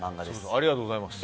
ありがとうございます。